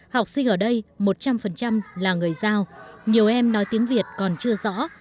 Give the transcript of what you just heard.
học sinh ở đây một trăm linh là người giao nhiều em nói tiếng việt còn chưa rõ